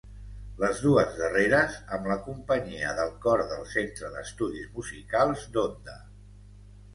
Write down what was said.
Les dues darreres amb la companyia del Cor del Centre d'Estudis Musicals d'Onda.